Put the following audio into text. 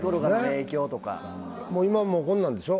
今もうこんなんでしょ？